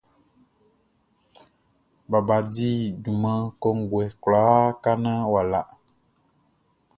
Baba di junman kɔnguɛ kwlaa ka naan wʼa la.